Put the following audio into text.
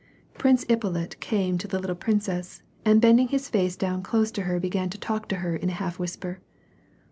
Prince Ippolit came to the little princess, and bending his face down close to her began to talk to her in a half whisper.